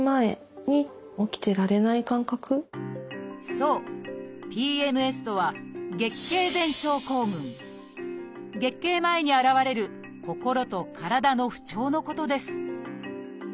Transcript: そう「ＰＭＳ」とは月経前に現れる心と体の不調のことです